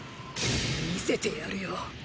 見せてやるよ